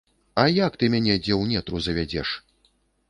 А як ты мяне дзе ў нетру завядзеш?